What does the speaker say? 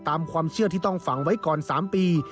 ตามความเชื่อที่ต้องฝังไว้ก่อน๓ปี